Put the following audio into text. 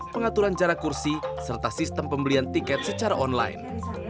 pengaturan jarak kursi serta sistem pembelian tiket secara online